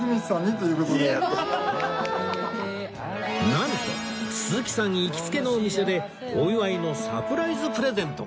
なんと鈴木さん行きつけのお店でお祝いのサプライズプレゼントが